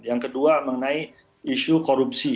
yang kedua mengenai isu korupsi